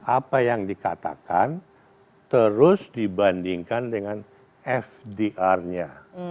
apa yang dikatakan terus dibandingkan dengan fdr nya